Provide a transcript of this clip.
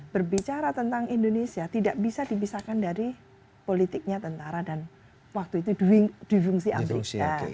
berbicara tentang indonesia tidak bisa dibisarkan dari politiknya tentara dan waktu itu dwi fungsi abri